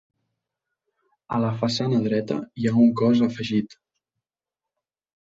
A la façana dreta hi ha un cos afegit.